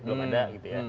belum ada gitu ya